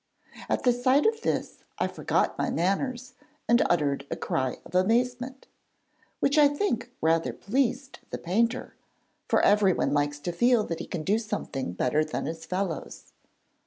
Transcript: At the sight of this, I forgot my manners and uttered a cry of amazement, which I think rather pleased the painter, for everyone likes to feel that he can do something better than his fellows.